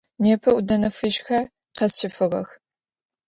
Непэ ӏудэнэ фыжьхэр къэсщэфыгъэх.